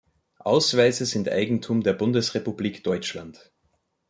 Ausweise sind Eigentum der Bundesrepublik Deutschland.